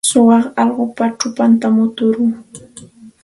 Suwa allqupa chupantam muturqun.